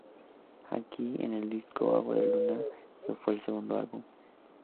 Aquí en el disco "Agua de Luna", que fue el segundo álbum.